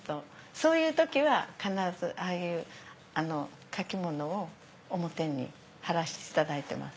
そういう時は必ずああいう書きものを表に張らせていただいてます。